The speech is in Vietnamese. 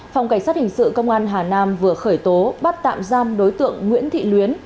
phòng cảnh sát hình sự công an hà nam vừa khởi tố bắt tạm giam đối tượng nguyễn thị luyến